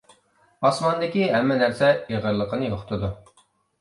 ئاسماندىكى ھەممە نەرسە ئېغىرلىقىنى يوقىتىدۇ.